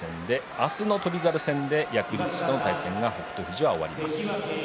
明日の翔猿戦で役力士との対戦が終わります。